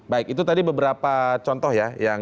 baik itu tadi beberapa contoh ya